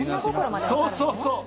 そうそうそう。